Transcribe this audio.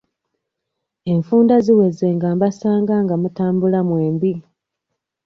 Enfunda ziweze nga mbasanga nga mutambula mwembi.